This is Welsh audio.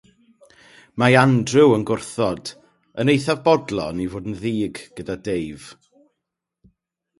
Mae Andrew yn gwrthod, yn eithaf bodlon i fod yn ddig gyda Dave.